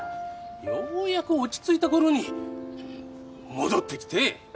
ようやく落ち着いたころに戻ってきて。